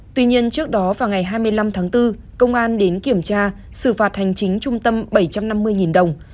tuy nhiên trước đó vào ngày hai mươi năm tháng bốn công an đến kiểm tra xử phạt hành chính trung tâm bảy trăm năm mươi đồng